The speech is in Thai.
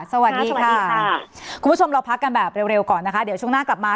สวัสดีค่ะคุณผู้ชมเราพักกันแบบเร็วก่อนนะคะเดี๋ยวช่วงหน้ากลับมา